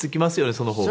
その方が。